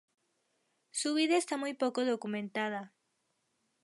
Su vida está muy poco documentada.